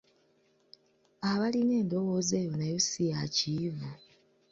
Abalina endowooza eyo nayo si ya Kiyivu